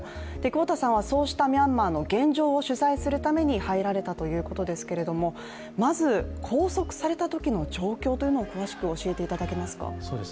久保田さんはそうしたミャンマーの現状を取材するために入られたということですけどまず、拘束されたときの状況を詳しく教えていただけすか？